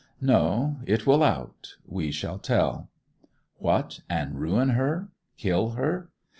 'No. It will out. We shall tell.' 'What, and ruin her—kill her?